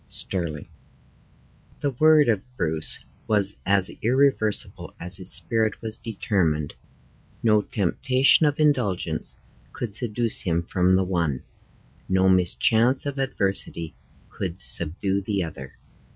Stirling. The word of Bruce was as irreversible as his spirit was determined. No temptation of indulgence could seduce him from the one, no mischance of adversity could subdue the other.